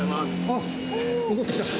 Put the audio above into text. あっ戻ってきた。